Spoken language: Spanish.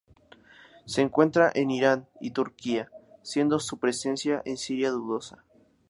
Se encuentra en Irán y Turquía, siendo su presencia en Siria dudosa.